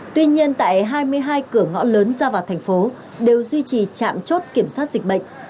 tuy nhiên tại hai mươi hai cửa ngõ lớn ra vào thành phố đều duy trì trạm chốt kiểm soát dịch bệnh